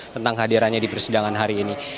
tentang kehadirannya di persidangan hari ini